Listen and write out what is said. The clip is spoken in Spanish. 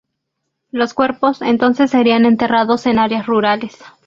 Los cuerpos entonces serían enterrados en áreas rurales.